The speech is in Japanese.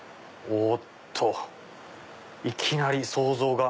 おっといきなり想像が。